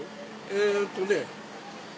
えっとね